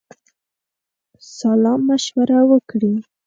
سالامشوره وکړي.